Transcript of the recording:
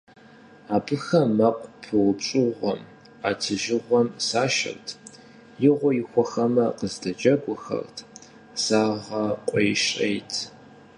Абыхэм мэкъу пыупщӀыгъуэм, Ӏэтыжыгъуэм сашэрт, игъуэ ихуэхэмэ, кыздэджэгухэрт, сагъэкъуейщӀейт.